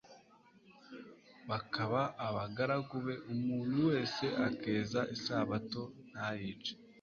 bakaba abagaragu be, umuntu wese akeza isabato ntayice